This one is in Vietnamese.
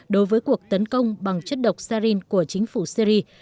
đối với cuộc tấn công bằng chất độc sarin của chính phủ syri